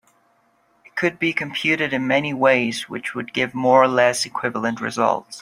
It could be computed in many ways which would give more or less equivalent results.